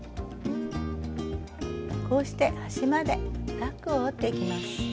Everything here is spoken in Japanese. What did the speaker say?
こうして端までタックを折っていきます。